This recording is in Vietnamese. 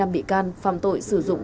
hai mươi năm bị can phạm tội sử dụng